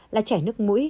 là chảy nước mũi